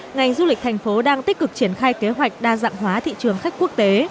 ngành du lịch thành phố đang tích cực triển khai kế hoạch đa dạng hóa thị trường khách quốc tế